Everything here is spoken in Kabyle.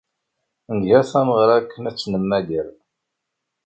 Nga tameɣra akken ad tt-nemmager.